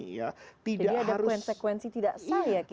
jadi ada konsekuensi tidak sah ya